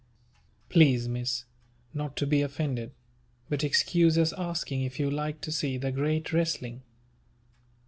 Please, Miss, not to be offended, but excuse us asking if you like to see the great wrestling.